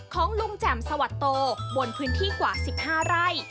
ของลุงแจ่มสวัสโตบนพื้นที่กว่า๑๕ไร่